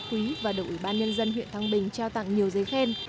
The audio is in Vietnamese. quý và được ủy ban nhân dân huyện thăng bình trao tặng nhiều giấy khen